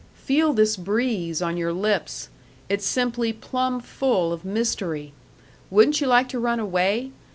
Feel this breeze on your lips it's simply plumb full of mystery. Wouldn't you like to run away?